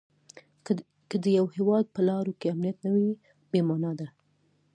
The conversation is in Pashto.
که د یوه هیواد په لارو کې امنیت نه وي بې مانا ده.